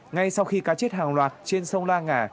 ngay sau khi cá chết hàng loạt trên sông la ngà